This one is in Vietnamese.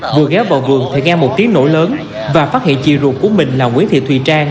vừa ghé vào vườn thì nghe một tiếng nổi lớn và phát hiện chị ruột của mình là nguyễn thị thùy trang